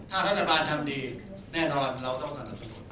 ถ้ารัฐบาลทำดีแน่นอนเราต้องสนับสนุน